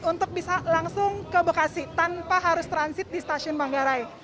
untuk bisa langsung ke bekasi tanpa harus transit di stasiun manggarai